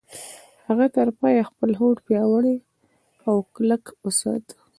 هغه تر پايه خپل هوډ پياوړی او کلک وساته.